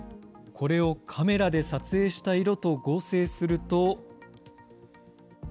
これをカメラで撮影した色と合成すると。